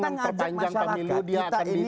menerbangkan pemilu dia akan